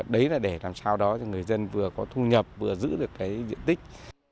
đấy là để làm sao đó cho người dân vừa có thu nhập vừa giữ được cái diện tích